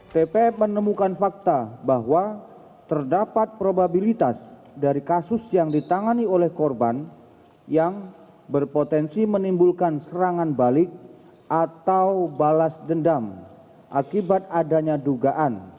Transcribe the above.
tpf menemukan fakta bahwa terdapat probabilitas dari kasus yang ditangani oleh korban yang berpotensi menimbulkan serangan balik atau balas dendam akibat adanya dugaan